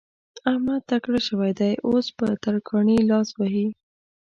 احمد تکړه شوی دی؛ اوس په ترکاڼي لاس وهي.